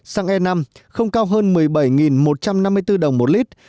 xăng e năm không cao hơn một mươi bảy một trăm năm mươi bốn đồng một lít